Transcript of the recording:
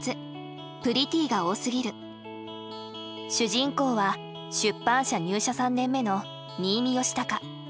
主人公は出版社入社３年目の新見佳孝。